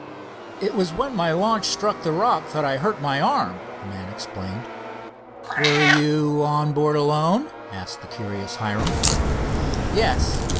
"It was when my launch struck a rock that I hurt my arm," the man explained. "Were you on board alone?" asked the curious Hiram. "Yes.